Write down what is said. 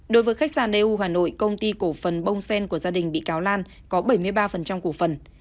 đối với khách sạn eu hà nội công ty cổ phần bông sen của gia đình bị cáo lan có bảy mươi ba cổ phần